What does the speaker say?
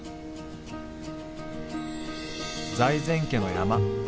財前家の山。